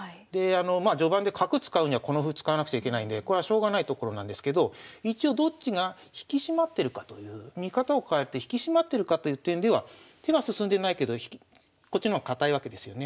まあ序盤で角使うにはこの歩使わなくちゃいけないんでこれはしょうがないところなんですけど一応どっちが引き締まってるかという見方を変えて引き締まってるかという点では手は進んでないけどこっちの方が堅いわけですよね。